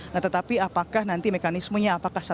nah tetapi apakah nanti mekanismenya apakah